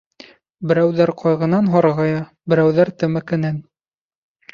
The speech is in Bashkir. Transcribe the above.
Берәүҙәр ҡайғынан һарғая, берәүҙәр тәмәкенән.